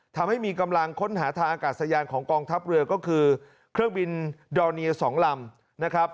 ทำให้มีกำลังค้นหาทางอากาศยานของกองทัพเรือก็คือเครื่องบินดอร์เนีย๒ลำนะครับ